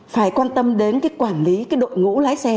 phải quan tâm đến cái quản lý cái đội ngũ lái xe